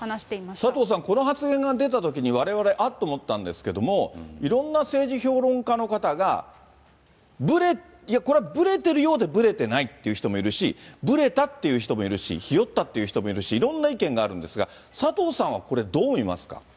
佐藤さん、この発言が出たときに、われわれ、あっと思ったんですけども、いろんな政治評論家の方がこれ、ぶれているようでぶれていないという人もいるし、ぶれたっていう人もいるし、ひよったっていう人もいるし、いろんな意見があるんですが、佐藤さんはこれ、どう見ますか？